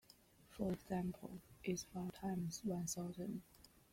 For example, is five times one thousand.